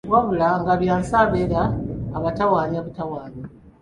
Wabula nga Byansi abeera abatawaanya butawaannyi.